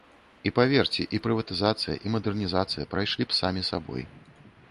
І, паверце, і прыватызацыя, і мадэрнізацыя прайшлі б самі сабой.